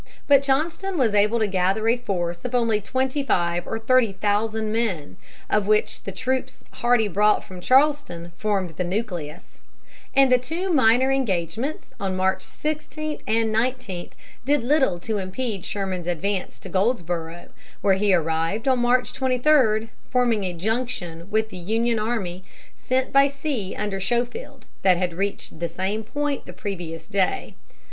But Johnston was able to gather a force of only twenty five or thirty thousand men, of which the troops Hardee brought from Charleston formed the nucleus; and the two minor engagements on March 16 and 19 did little to impede Sherman's advance to Goldsboro, where he arrived on March 23, forming a junction with the Union army sent by sea under Schofield, that had reached the same point the previous day.